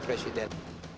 terima kasih presiden